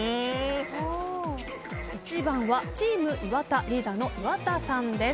１番はチーム岩田リーダーの岩田さんです。